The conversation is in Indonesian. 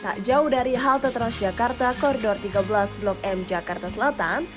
tak jauh dari halte transjakarta koridor tiga belas blok m jakarta selatan